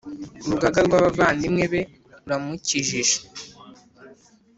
urugaga rw’abavandimwe be ruramukikije,